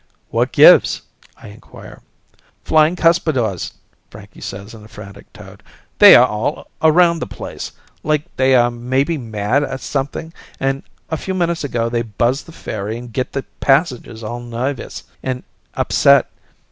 "What gives?" I inquire. "Flying cuspidors," Frankie says in a frantic tone. "They are all around the place, like they are maybe mad at something, and a few minutes ago they buzz the ferry and get the passengers all nervous and upset.